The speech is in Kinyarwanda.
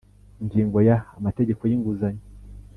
Ingingo ya Amategeko y inguzanyo